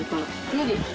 無理。